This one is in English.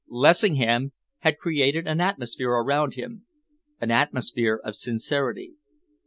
Lessingham had created an atmosphere around him, an atmosphere of sincerity.